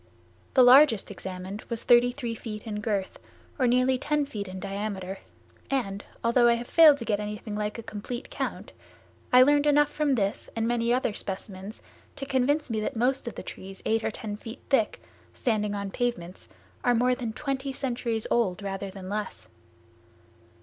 The largest examined was thirty three feet in girth, or nearly ten feet in diameter and, although I have failed to get anything like a complete count, I learned enough from this and many other specimens to convince me that most of the trees eight or ten feet thick, standing on pavements, are more than twenty centuries old rather than less.